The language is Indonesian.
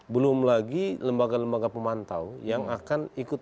belum lagi lembaga lembaga pemantau yang akan ikut